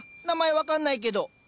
名前分かんないけど。